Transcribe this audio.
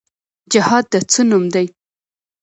جهاد د څه نوم دی؟